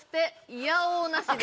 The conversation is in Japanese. いやおうなしで！？